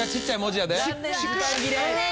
時間切れ。